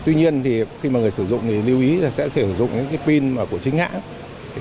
tuy nhiên khi mà người sử dụng thì lưu ý sẽ sử dụng những pin của chính hãng